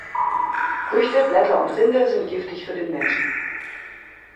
Früchte, Blätter und Rinde sind giftig für den Menschen.